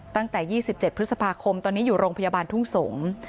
ตั้งแต่๒๗พฤษภาคมตอนนี้อยู่โรงพยาบาลทุ่งสงศ์